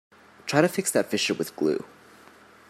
Try to fix that fissure with glue.